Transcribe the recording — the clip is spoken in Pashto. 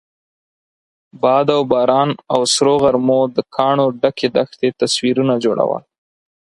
باد او باران او سرو غرمو د کاڼو ډکې دښتې تصویرونه جوړول.